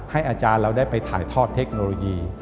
อาจารย์เราได้ไปถ่ายทอดเทคโนโลยี